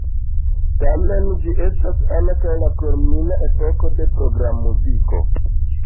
Tamen ĝi estas ankaŭ la kulmina epoko de programmuziko.